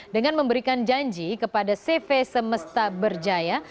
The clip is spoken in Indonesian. dengan memberikan janji kepada cv semesta berjaya